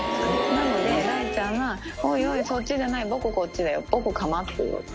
なので、雷ちゃんはおいおい、そっちじゃない、僕、こっちだよ、僕、構ってよって。